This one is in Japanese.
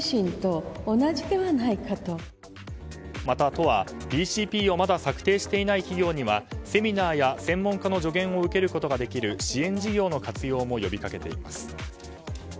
また都はＢＣＰをまだ策定していない企業にはセミナーや専門家の助言を受けることができる支援事業の活用も呼び掛けています。